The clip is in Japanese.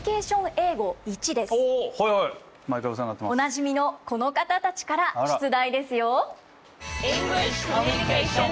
おなじみのこの方たちから出題ですよ。